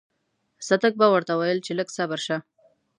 صدک به ورته ويل چې لږ صبر شه.